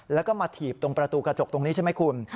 แล้วก็มาถีบตรงประตูกระจกตรงนี้ใช่ไหมคุณ